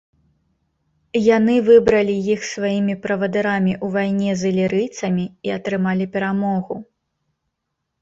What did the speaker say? Яны выбралі іх сваімі правадырамі ў вайне з ілірыйцамі і атрымалі перамогу.